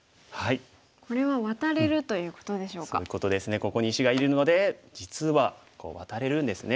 ここに石がいるので実はこうワタれるんですね。